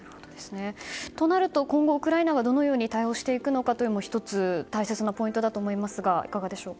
となると今後、ウクライナはどのように対応していくのかも１つ大切なポイントだと思いますが。